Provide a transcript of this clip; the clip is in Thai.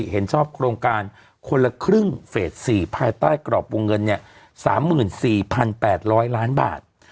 เห็นชอบโครงการคนละครึ่งเฟส๔ภายใต้กรอบวงเงิน๓๔๘๐๐ล้านบาท